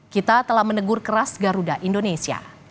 kita telah menegur keras garuda indonesia